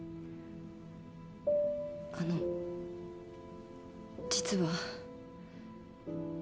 あの実は。